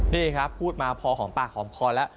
นี่ครับพูดมาพอหอมปากหอมคอแล้ว